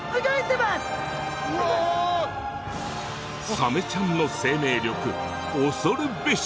サメちゃんの生命力恐るべし！